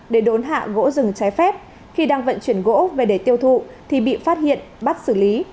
để đốn hạ gỗ rừng trái phép khi đang vận chuyển gỗ về để tiêu thụ thì bị phát hiện bắt xử lý